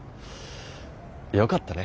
よかったね。